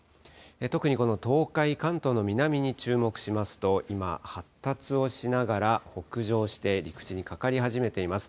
特にこの東海、関東の南に注目しますと、今、発達をしながら北上して、陸地にかかり始めています。